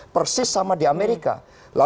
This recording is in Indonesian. persis sama di amerika